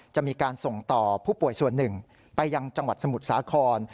จะมีการส่งต่อผู้ป่วยส่วนหนึ่งไปยังจังหวัดสมุทรสาคร